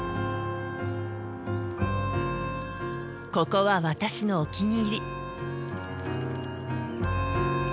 ここは私のお気に入り。